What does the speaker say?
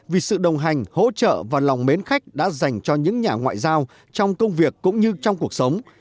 vì sự đồng hành hỗ trợ và lòng mến khách đã dành cho những nhà ngoại giao trong công việc cũng như trong cuộc sống